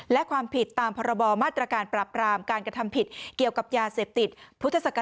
และความผิดตามพรบมาตรการปราบรามการกระทำผิดเกี่ยวกับยาเสพติด